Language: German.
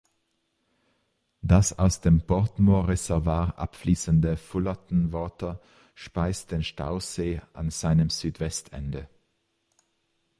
Das aus dem Portmore Reservoir abfließende Fullarton Water speist den Stausee an seinem Südwestende.